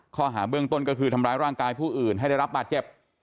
ข้อหาเบื้องต้นก็คือทำร้ายร่างกายผู้อื่นให้ได้รับบาดเจ็บ